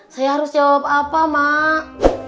saya harus jawab apa mak